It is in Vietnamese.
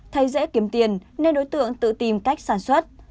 thấy dễ kiếm tiền nên đối tượng tự tìm cách sản xuất